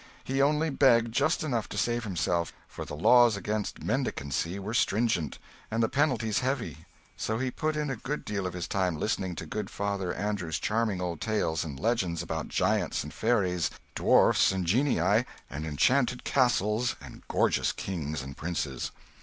He only begged just enough to save himself, for the laws against mendicancy were stringent, and the penalties heavy; so he put in a good deal of his time listening to good Father Andrew's charming old tales and legends about giants and fairies, dwarfs and genii, and enchanted castles, and gorgeous kings and princes.